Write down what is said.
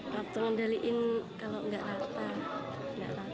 waktu mengendalikan kalau nggak rata